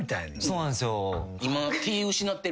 そうなんすよ。